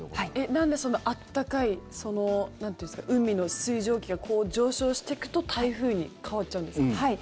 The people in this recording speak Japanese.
なんで、その温かい海の水蒸気が上昇してくと台風に変わっちゃうんですか？